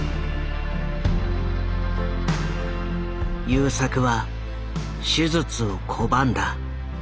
優作は手術を拒んだ。